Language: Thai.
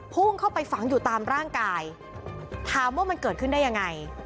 พุ่งเข้าไปฝังอยู่ตามร่างกายถามว่ามันเกิดขึ้นได้ยังไง